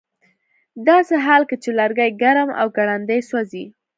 ه داسې حال کې چې لرګي ګرم او ګړندي سوځي